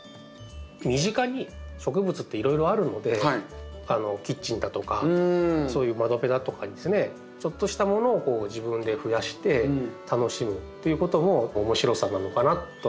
身近に植物っていろいろあるのでキッチンだとかそういう窓辺だとかにですねちょっとしたものを自分で増やして楽しむっていうことも面白さなのかなと思うんですよね。